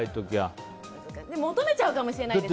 求めちゃうかもしれないですね。